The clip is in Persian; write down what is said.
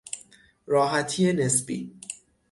راحتی نسبی